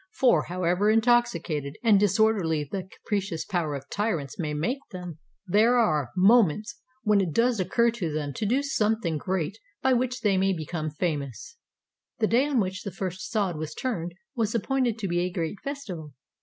For, however intoxicated and disorderly the capricious power of tyrants may make them, there are 438 1 THE EMPEROR NERO ON THE STAGE moments when it does occur to them to do something great by which they may become famous." The day on which the first sod was turned was ap pointed to be a great festival.